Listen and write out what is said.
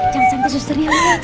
jangan sampai susternya melihat